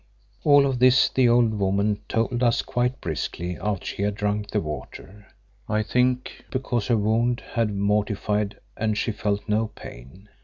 All of this the old woman told us quite briskly after she had drunk the water, I think because her wound had mortified and she felt no pain.